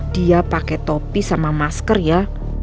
dia pakai topi sama masker ya